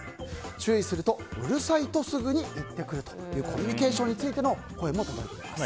注意するとうるさいとすぐに言ってくるというコミュニケーションについての声も届いています。